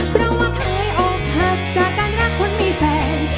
เพราะว่าเคยออกหักจากการรักคนมีแฟน